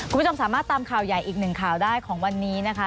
คุณผู้ชมสามารถตามข่าวใหญ่อีกหนึ่งข่าวได้ของวันนี้นะคะ